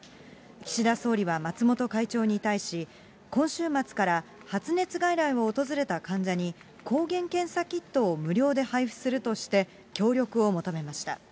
岸田総理は松本会長に対し、今週末から発熱外来を訪れた患者に、抗原検査キットを無料で配布するとして、協力を求めました。